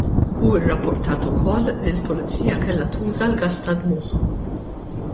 Hu rrappurtat ukoll li l-Pulizija kellha tuża l-gas tad-dmugħ.